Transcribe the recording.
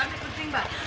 ambil kencing mbak